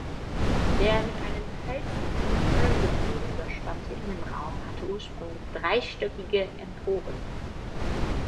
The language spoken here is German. Der mit einem hölzernen Tonnengewölbe überspannte Innenraum hatte ursprünglich dreistöckige Emporen.